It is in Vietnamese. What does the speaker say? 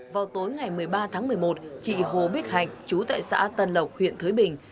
vào tối ngày một mươi ba tháng một mươi một chị hồ bích hạnh chú tại xã tân lộc huyện thới bình